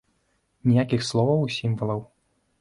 Ніякіх словаў і сімвалаў.